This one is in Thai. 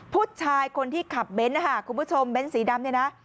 ผู้ชายคนที่ขับเบนท์นะคะคุณผู้ชมเบ้นสีดำเนี่ยนะ